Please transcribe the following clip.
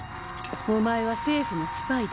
おまえは政府のスパイだ。